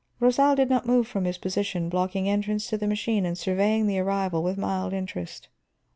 Rosal did not move from his position, blocking entrance to the machine and surveying the arrival with mild interest.